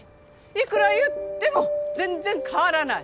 いくら言っても全然変わらない。